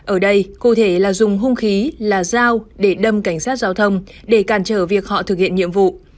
ở đây cụ thể là dùng hung khí là dao để đâm cảnh sát giao thông để cản trở việc họ thực hiện nhiệm vụ